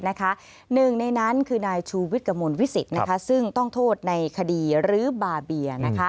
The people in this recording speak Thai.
หนึ่งในนั้นคือนายชูวิทย์กระมวลวิสิตซึ่งต้องโทษในคดีรื้อบาเบีย